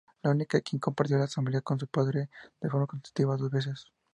La única quien compartió la Asamblea con su padre de forma consecutiva dos veces.